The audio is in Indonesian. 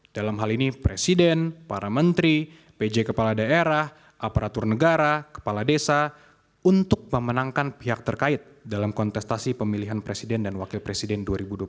dalam hal ini presiden para menteri pj kepala daerah aparatur negara kepala desa untuk memenangkan pihak terkait dalam kontestasi pemilihan presiden dan wakil presiden dua ribu dua puluh empat